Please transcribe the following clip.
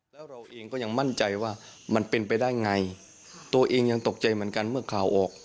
แล้วเราเองก็ยังมั่นใจว่ามันเป็นไปได้ไงตัวเองยังตกใจเหมือนกันเมื่อข่าวออก